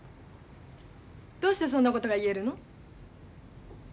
どうしてそんなことが言えるの？